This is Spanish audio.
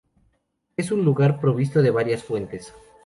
Es un lugar provisto de varias fuentes.